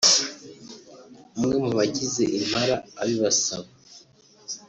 umwe mu bagize Impala abibasaba